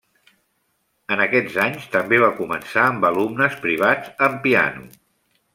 En aquests anys també va començar amb alumnes privats en piano.